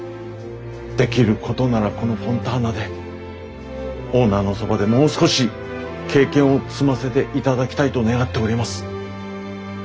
できることならこのフォンターナでオーナーのそばでもう少し経験を積ませていただきたいと願っております。